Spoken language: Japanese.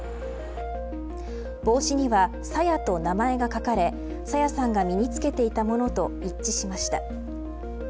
帽子には、さやと名前が書かれ朝芽さんが身につけていたものと一致しました。